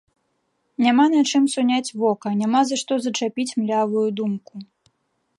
Няма на чым суняць вока, няма за што зачапіць млявую думку.